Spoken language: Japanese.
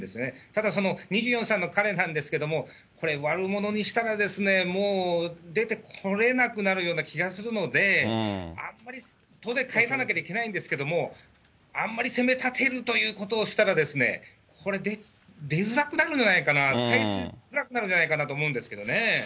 ただその２４歳の彼なんですけれども、これ、悪者にしたら、もう出てこれなくなるような気がするので、あんまり、当然返さなきゃいけないんですけど、あんまり責めたてるというようなことをしたらですね、これ、出づらくなるんじゃないかな、つらくなるんじゃないかなと思うんです